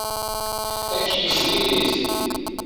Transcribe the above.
Akeyyef diri-t.